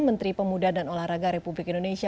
menteri pemuda dan olahraga republik indonesia